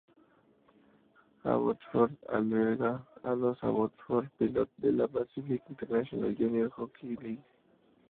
Abbotsford alberga a los Abbotsford Pilot de la Pacific International Junior Hockey League.